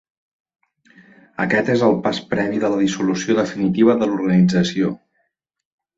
Aquest és el pas previ de la dissolució definitiva de l’organització.